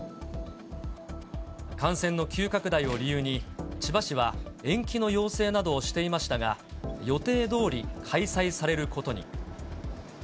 感染の急拡大を理由に、千葉市は延期の要請などをしていましたが、予定どおり、開催されることに。